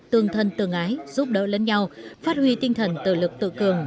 tương thân tương ái giúp đỡ lẫn nhau phát huy tinh thần tự lực tự cường